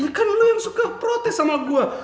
ini kan lo yang suka protes sama gue